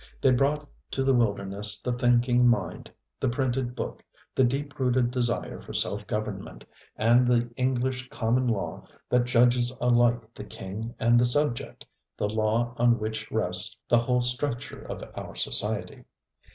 They brought to the wilderness the thinking mind, the printed book, the deep rooted desire for self government and the English common law that judges alike the king and the subject, the law on which rests the whole structure of our society.